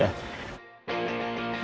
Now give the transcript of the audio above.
shaau ya psal